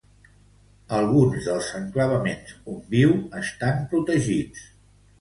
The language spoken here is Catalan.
Alguns dels enclavaments on viu estan protegits.